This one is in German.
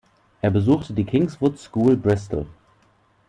Er besuchte die Kingswood School Bristol.